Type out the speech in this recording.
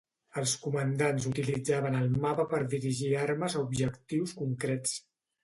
Els comandants utilitzaven el mapa per dirigir armes a objectius concrets.